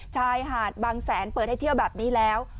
ชายหาดบางแสนเปิดให้เที่ยวแบบนี้แล้ว